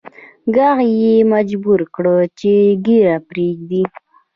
ږغ یې مجبور کړ چې ږیره پریږدي